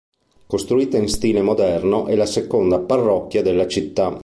Costruita in stile moderno è la seconda Parrocchia della Città.